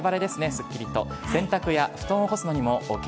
すっきりと、洗濯や布団を干すのにもＯＫ。